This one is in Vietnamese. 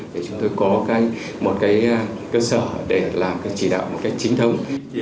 để chúng ta có một cái cơ sở để làm cái chỉ đạo một cái chính thông